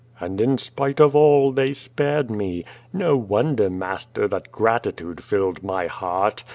And, in spite of all, they si)ared me. No wonder, master, that grati tude filled my heart.